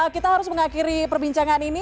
kita harus mengakhiri perbincangan ini